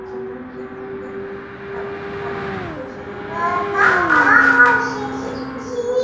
বর্তমানে যাঁরা ভারপ্রাপ্ত হিসেবে দায়িত্ব পালন করছেন, তাঁরা মুজাহিদের পছন্দের লোক।